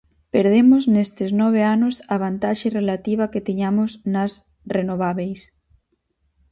Perdemos nestes nove anos a vantaxe relativa que tiñamos nas renovábeis.